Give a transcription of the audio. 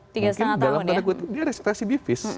tiga lima tahun ya dia residifis